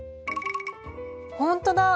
ほんとだ！